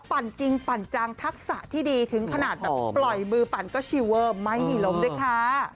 ปั่นจริงปั่นจังทักษะที่ดีถึงขนาดแบบปล่อยมือปั่นก็ชีเวอร์ไม่มีลมด้วยค่ะ